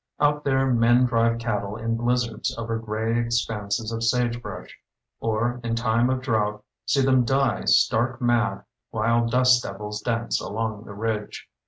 Out there men drive cattle in blizzards over grey ex panses of sage brush; or in time of drought see them die stark mad while "dust devils dance along the ridge".